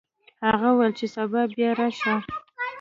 هغه وویل چې سبا بیا راشه.